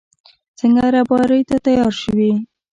څنګه رېبارۍ ته تيار شوې.